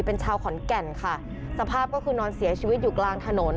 เป็นชาวขอนแก่นค่ะสภาพก็คือนอนเสียชีวิตอยู่กลางถนน